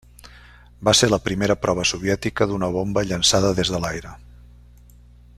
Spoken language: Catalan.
Va ser la primera prova soviètica d'una bomba llançada des de l'aire.